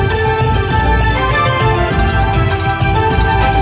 โชว์สี่ภาคจากอัลคาซ่าครับ